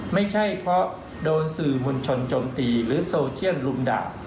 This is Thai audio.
ไม่ใช่เพราะโดนสื่อมวลชนจมตีหรือโซเชียลลุมด่า